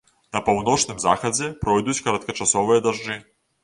На паўночным захадзе пройдуць кароткачасовыя дажджы.